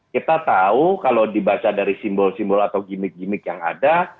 kita tahu kalau dibaca dari simbol simbol atau gimmick gimmick yang ada